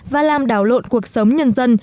và làm đảo lộn cuộc sống nhân dân